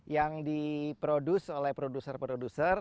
yang diproduce oleh produser produser